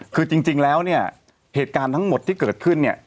คือจริงแล้วเนี่ยเหตุการณ์ทั้งหมดที่เกิดขึ้นเนี่ย